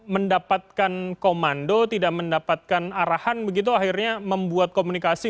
mendapatkan komando tidak mendapatkan arahan begitu akhirnya membuat komunikasi